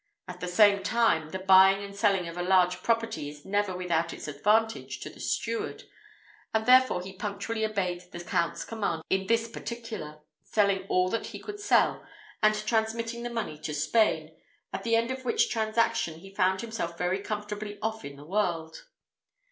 At the same time, the buying and selling of a large property is never without its advantage to the steward, and therefore he punctually obeyed the Count's command in this particular, selling all that he could sell, and transmitting the money to Spain, at the end of which transaction he found himself very comfortably off in the world.